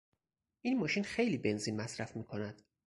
این ماشین خیلی بنزین مصرف میکند.